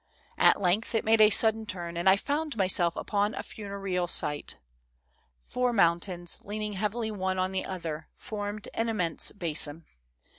"At length, it made a sudden turn, and I found myself upon a funereal site. "Four mountains, leaning heavily one on the other, formed an immense basin.